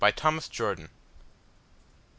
Thomas Jordan 246.